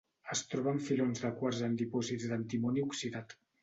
Es troba en filons de quars en dipòsits d'antimoni oxidat.